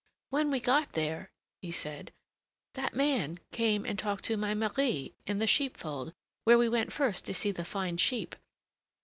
"When we got there," he said, "that man came and talked to my Marie in the sheepfold, where we went first to see the fine sheep.